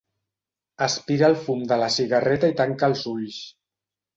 Aspira el fum de la cigarreta i tanca els ulls.